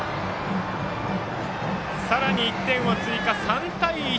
さらに１点を追加、３対１。